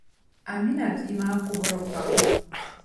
Amina bia maa kuhiri pam.